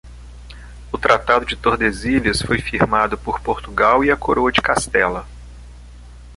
O Tratado de Tordesilhas foi firmado por Portugal e a Coroa de Castela